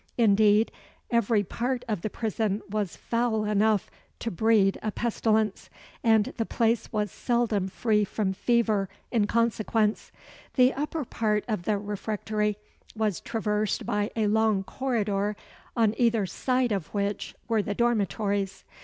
Indeed, every part of the prison was foul enough to breed a pestilence; and the place was seldom free from fever in consequence. The upper part of the refectory was traversed by a long corridor, on either side of which were the dormitories.